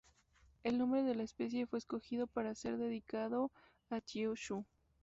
El nombre de la especie fue escogido para ser dedicado a Cui Xu.